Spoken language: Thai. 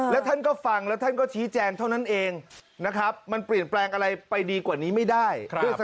แล้วท่านก็ฟังแล้วท่านก็ชี้แจงเท่านั้นเองนะครับมันเปลี่ยนแปลงอะไรไปดีกว่านี้ไม่ได้